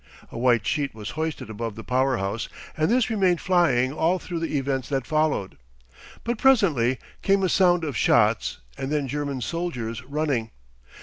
A white sheet was hoisted above the power house, and this remained flying all through the events that followed. But presently came a sound of shots and then German soldiers running.